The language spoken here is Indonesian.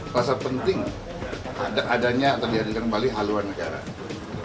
rasa penting adanya terjadi kembali haluan negara